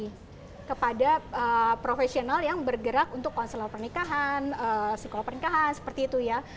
hai kepada profesional yang bergerak untuk konselor pernikahan psikologi pernikahan seperti itu ya